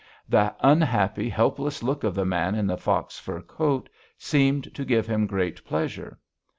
The unhappy, helpless look of the man in the fox fur coat seemed to give him great pleasure.